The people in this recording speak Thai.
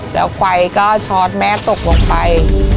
แล้วไฟก็ช็อตแม่ตกลงไป